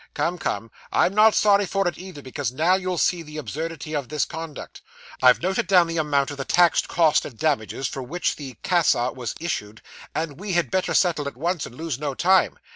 Come, come, I'm not sorry for it either, because now you'll see the absurdity of this conduct. I've noted down the amount of the taxed costs and damages for which the ca sa was issued, and we had better settle at once and lose no time.